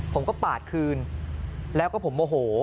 ผมก็ปาดคืนแล้วก็ผมโมโห